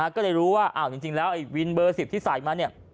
ก็เลยรู้ว่าจริงแล้วไอ้วินเบอร์๑๐ที่ใส่มาเนี่ย